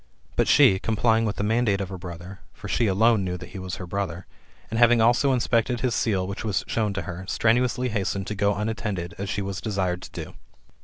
But she, complying with the mandate of her brother (for she alone knew that he was her brother), and having also inspected his seal, which was shown to her, strenuously hastened to go unattended, as she was desired to do.